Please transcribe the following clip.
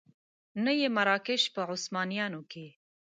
نه یې مراکش په عثمانیانو کې.